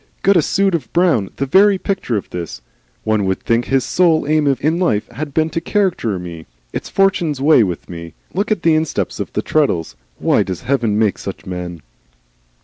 "Got a suit of brown, the very picture of this. One would think his sole aim in life had been to caricature me. It's Fortune's way with me. Look at his insteps on the treadles! Why does Heaven make such men?"